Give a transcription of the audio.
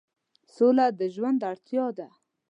سوله د ژوند اړتیا ده.